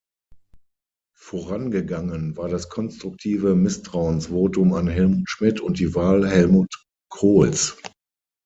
Vorangegangen war das Konstruktive Misstrauensvotum an Helmut Schmidt und die Wahl Helmut Kohls.